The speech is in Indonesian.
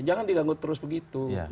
jangan diganggu terus begitu